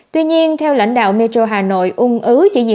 tuy nhiên theo lãnh đạo metro hà nội ung ứ